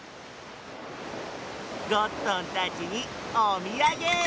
ゴットンたちにおみやげ！